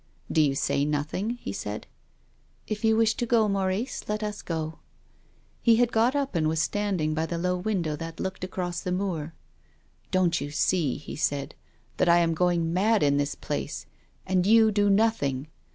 " D' you say nothing ?" he said. " If you wish to go, Maurice, let us go." He had got up and was standing by the low window that looked across the moor. " Don't you see," he said, " that I am going mad in this place? And you do nothing.